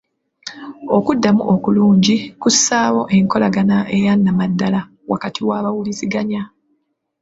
Okuddibwamu okulungi kussaawo enkolagana eyannamaddala wakati w'abawuliziganya.